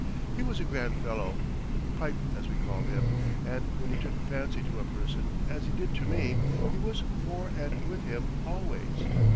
He was a grand fellow, "Pipe" as we called him, and when he took a fancy to a person, as he did to me, he was for and with him always.